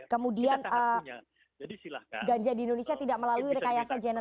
kemudian ganja di indonesia tidak melalui rekayasa genetik